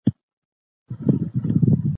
فلاسفه باید د علم او دین ترمنځ توازن وساتي.